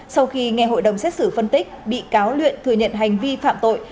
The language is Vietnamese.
sau khi nghe hội đồng xét xử phân tích bị cáo luyện thừa nhận hành vi phạm tội